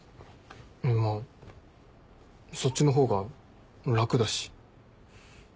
まあそっちの方が楽だし。